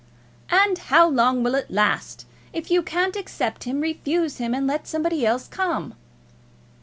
"And how long will it last? If you can't accept him, refuse him, and let somebody else come."